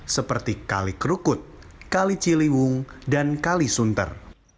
seperti kali kerukut kali ciliwung dan kali sunter